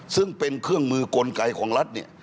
ซึ่งเป็นเครื่องมือกลไกของรัฐเนี่ย